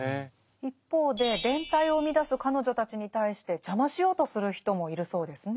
一方で連帯を生み出す彼女たちに対して邪魔しようとする人もいるそうですね。